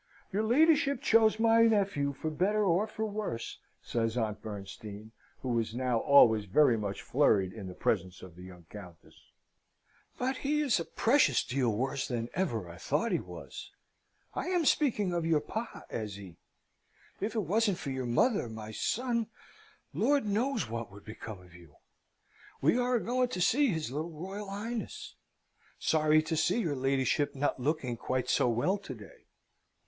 "Your ladyship chose my nephew for better or for worse," says Aunt Bernstein, who was now always very much flurried in the presence of the young Countess. "But he is a precious deal worse than ever I thought he was. I am speaking of your Pa, Ezzy. If it wasn't for your mother, my son, Lord knows what would become of you! We are a going to see his little Royal Highness. Sorry to see your ladyship not looking quite so well to day.